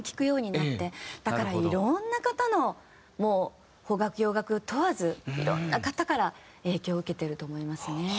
だからいろんな方のもう邦楽洋楽問わずいろんな方から影響を受けてると思いますね。